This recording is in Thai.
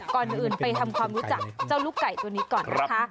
ก่อนอื่นไปทำความรู้จักเจ้าลูกไก่ตัวนี้ก่อนนะคะ